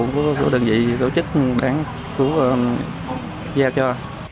của đơn vị của chức của gia cho